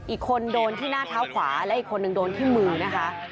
อีกคนโดนที่หน้าเท้าขวาและอีกคนนึงโดนที่มือนะคะ